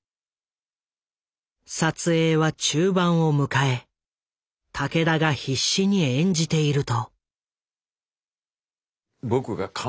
撮影は中盤を迎え武田が必死に演じていると。